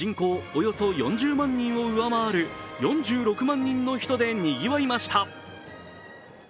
およそ４０万人を上回る４６万人の人でにぎわいました。